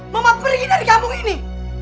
mama pergi dari kampung ini